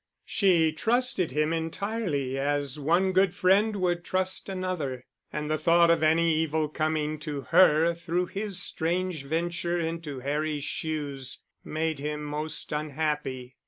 She trusted him entirely as one good friend would trust another and the thought of any evil coming to her through his strange venture into Harry's shoes made him most unhappy.